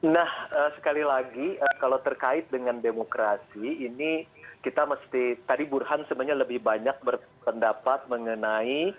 nah sekali lagi kalau terkait dengan demokrasi ini kita mesti tadi burhan sebenarnya lebih banyak berpendapat mengenai